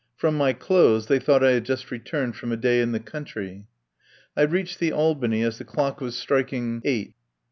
From my clothes they thought I had just returned from a day in the country. I reached the Albany as the clock was strik 189 THE POWER HOUSE ing eight.